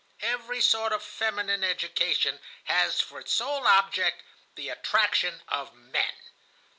"Every sort of feminine education has for its sole object the attraction of men.